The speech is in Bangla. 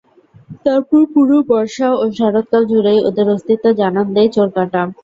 তারপর পুরো বর্ষা ও শরৎকাল জুড়েই ওদের অস্তিত্ব জানান দেয় চোরকাঁটা।